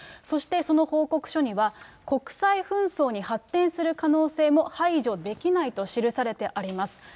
そして、その報告書には、国際紛争に発展する可能性も排除できないと記されてあります。